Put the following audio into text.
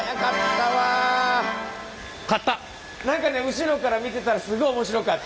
後ろから見てたらスゴい面白かった。